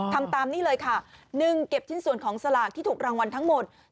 ทำตามนี่เลยค่ะ๑เก็บชิ้นส่วนของสลากที่ถูกรางวัลทั้งหมด